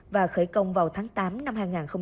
và khởi công vào tháng tám năm hai nghìn một mươi bảy